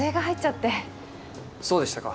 そうでしたか。